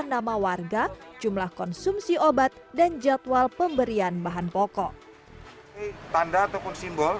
nama warga jumlah konsumsi obat dan jadwal pemberian bahan pokok tanda ataupun simbol